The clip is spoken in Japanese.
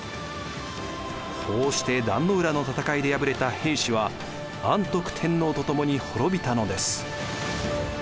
こうして壇の浦の戦いで敗れた平氏は安徳天皇とともにほろびたのです。